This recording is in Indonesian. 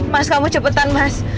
mas kamu cepetan mas